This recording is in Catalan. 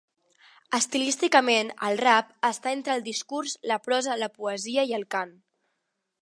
Estilísticament, el rap està entre el discurs, la prosa, la poesia i el cant.